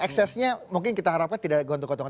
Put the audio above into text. eksesnya mungkin kita harapkan tidak ada gontok gotongan